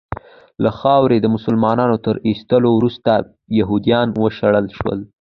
له خاورې د مسلمانانو تر ایستلو وروسته یهودیان وشړل سول.